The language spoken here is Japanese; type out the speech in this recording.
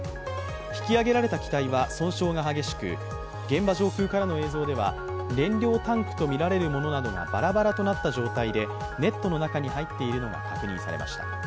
引き揚げられた機体は損傷が激しく現場上空からの映像では燃料タンクとみられるものなどがバラバラとなった状態でネットの中に入っているのが確認されました。